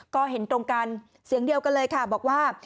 ก็เห็นตรงกันเสียงเดียวกันเลยค่ะบอกว่า